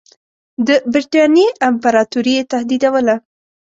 د برټانیې امپراطوري یې تهدیدوله.